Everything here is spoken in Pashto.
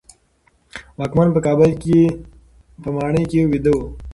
واکمن په کابل کې په ماڼۍ کې ویده و.